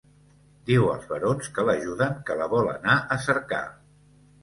Diu als barons que l’ajuden, que la vol anar a cercar.